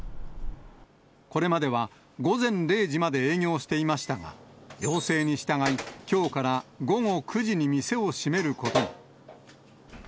これまでは午前０時まで営業していましたが、要請に従い、きょうから午後９時に店を閉めることに。